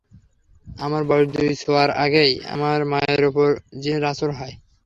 আমার বয়স দুই ছোঁয়ার আগেই আমার মায়ের ওপর জিনের আছর হয়।